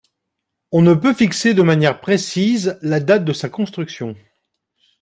On ne peut fixer de manière précise la date de sa construction.